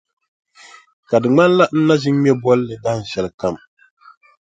Ka di ŋmanila n na ʒi n-ŋme bolli dahinshɛli kam.